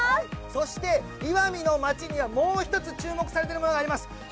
そして、石見の町にはもう一つ注目されているものがあります。